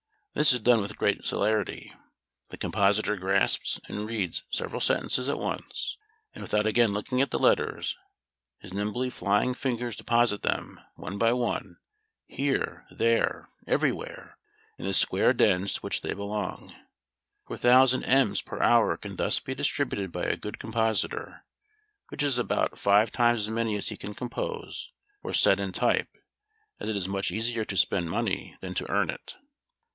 This is done with great celerity; the compositor grasps and reads several sentences at once; and without again looking at the letters, his nimbly flying fingers deposit them, one by one, here, there, everywhere, in the square dens to which they belong. Four thousand "ems" per hour can thus be distributed by a good compositor, which is about five times as many as he can "compose," or set in type; as it is much easier to spend money than to earn it.